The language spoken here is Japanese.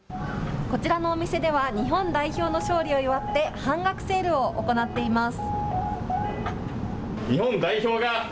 こちらのお店では日本代表の勝利を祝って半額セールを行っています。